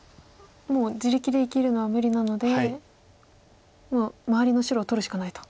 もう自力で生きるのは無理なので周りの白を取るしかないと。